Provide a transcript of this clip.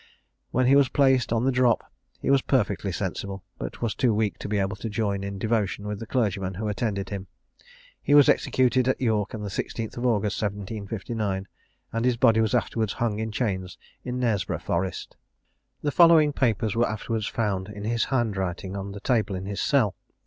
When he was placed on the drop, he was perfectly sensible, but was too weak to be able to join in devotion with the clergyman who attended him He was executed at York on the 16th August 1759; and his body was afterwards hung in chains in Knaresborough Forest. The following papers were afterwards found in his handwriting on the table in his cell.